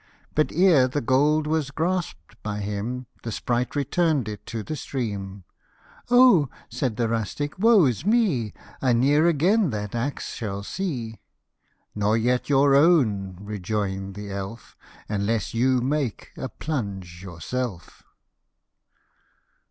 But ere the gold was grasp' d by him, The sprite return'd it to the stream. (f Oh !" said the rustic, " woe is me ! I ne'er again that axe shall see !"*< Nor yet your own," rejoin'd the elf, " Unless you make a plunge yourself."